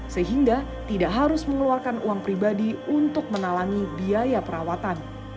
sehingga tidak harus mengeluarkan uang pribadi untuk menalangi biaya perawatan